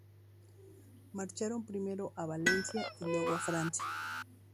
Marcharon primero a Valencia y luego a Francia.